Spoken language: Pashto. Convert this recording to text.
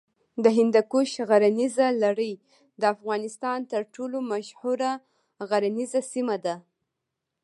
د هندوکش غرنیزه لړۍ د افغانستان تر ټولو مشهوره غرنیزه سیمه ده.